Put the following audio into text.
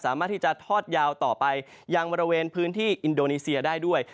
สามารถที่จะทอดยาวต่อไปยังบริเวณพื้นที่อินโดนีเซียได้ด้วย